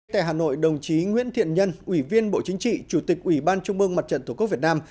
tại hà nội đồng chí nguyễn thiện nhân ủy viên bộ chính trị chủ tịch ủy ban trung mương mặt trận tổ quốc việt nam